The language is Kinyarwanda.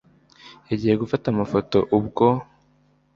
yagiye gufata amafoto ubwo